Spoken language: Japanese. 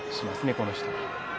この人は。